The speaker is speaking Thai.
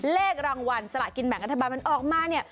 เลขรางวัลสละกินแบ่งรัฐบาลมันออกมาเนี่ย